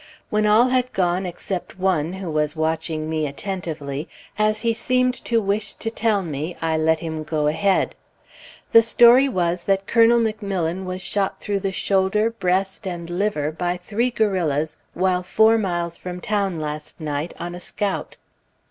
When all had gone except one who was watching me attentively, as he seemed to wish to tell me, I let him go ahead. The story was that Colonel McMillan was shot through the shoulder, breast, and liver, by three guerrillas while four miles from town last night, on a scout.